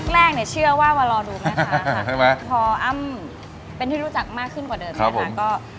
แรกเชื่อว่ารอดูนะคะใช่ไหมภออ้ำเป็นที่รู้จักมากขึ้นกว่าเดิมนะคะ